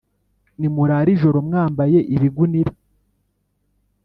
Nimurare ijoro mwambaye ibigunira,